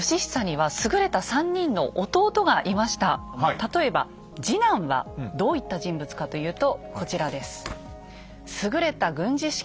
例えば次男はどういった人物かというとこちらです。